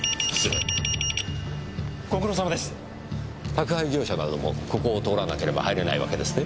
宅配業者などもここを通らなければ入れないわけですね？